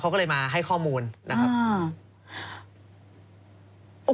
เขาก็เลยมาให้ข้อมูลนะครับ